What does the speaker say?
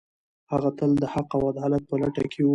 هغه تل د حق او عدالت په لټه کې و.